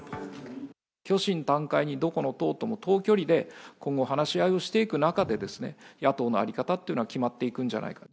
虚心坦懐にどこの党とも等距離で今後、話し合いをしていく中で、野党の在り方っていうのは決まっていくんじゃないかと。